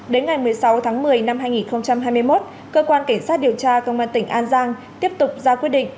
đến ngày một mươi sáu tháng một mươi năm hai nghìn hai mươi một cơ quan cảnh sát điều tra công an tỉnh an giang tiếp tục ra quyết định